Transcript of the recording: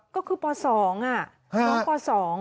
ก็คือคศนคอศ